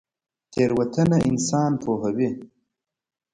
تیروتنه انسان پوهوي